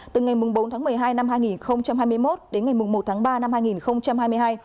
từ ngày bốn tháng một mươi hai năm hai nghìn hai mươi một đến ngày một tháng ba năm hai nghìn hai mươi hai